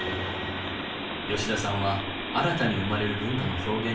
吉田さんは新たに生まれる文化の表現にも注目しています。